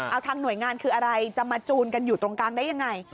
เอาทางหน่วยงานคืออะไรจะมาจูนกันอยู่ตรงกลางได้ยังไง